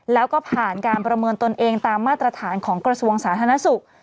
แล้วก็ผ่านการประเมินตนเองตามมาตรฐานของกระทรวงสาธารณสุข